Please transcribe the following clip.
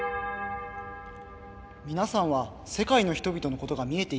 皆さんは世界の人々のことが見えていますか？